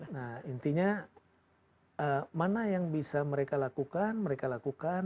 nah intinya mana yang bisa mereka lakukan mereka lakukan